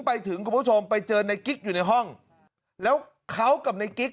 ไปถึงก็ผู้ชมไปเจอไนท์กิ๊กอยู่ในห้องแล้วเขาก็ไนท์กิ๊ก